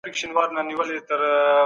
انسانان باید د بل ژوند ته درناوی وکړي.